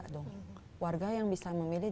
dong warga yang bisa memilih